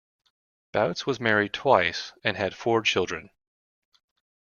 Bouts was married twice and had four children.